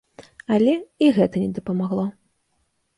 Але і гэта не дапамагло.